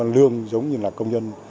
lương giống như là công nhân